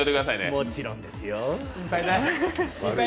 もちろんですよ。